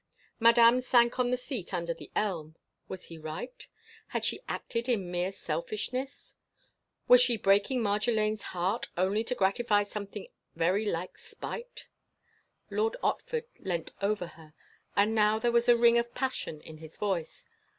Madame sank on the seat under the elm. Was he right? Had she acted in mere selfishness? Was she breaking Marjolaine's heart only to gratify something very like spite? Lord Otford leant over her, and now there was a ring of passion in his voice.